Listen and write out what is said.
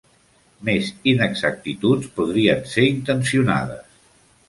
Més inexactituds podrien ser intencionades.